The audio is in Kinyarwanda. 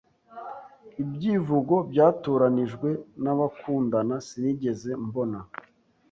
Ibyivugo byatoranijwe nabakundana sinigeze mbona